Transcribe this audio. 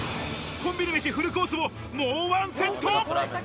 コンビニ飯フルコースももうワンセット。